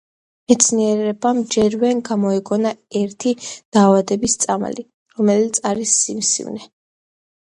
მეცნიერებამ ჯერ ვერ გამოიგონა ისეთი დაავადების წამალი, როგორიც არის სიმსივნე.